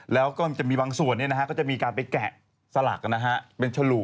แล้วก็จะมีบางส่วนก็จะมีการไปแกะสลักเป็นฉลู